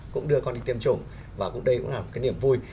cũng đưa con đi tiêm chủng và cũng đây cũng là một cái niềm vui